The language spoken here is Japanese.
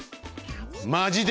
マジで？